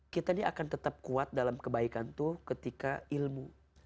kita ini akan tetap kuat dalam kebaikan tuh ketika ilmu